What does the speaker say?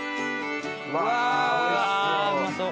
うわあうまそう！